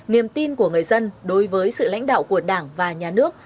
niềm tin của người dân đối với sự lãnh đạo của đảng và nhà nước